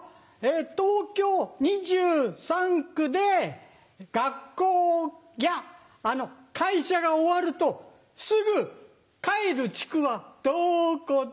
東京２３区で学校や会社が終わるとすぐ帰る地区はどこだ？